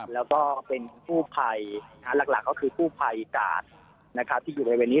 แล้วก็เป็นกู้ภัยหลักก็คือกู้ภัยกาดที่อยู่บริเวณนี้